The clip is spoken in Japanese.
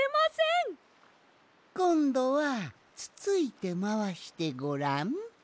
こんどはつついてまわしてごらん。